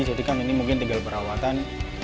jadi kan ini mungkin tinggal perawatan